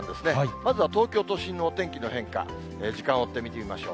まずは東京都心のお天気の変化、時間を追って見てみましょう。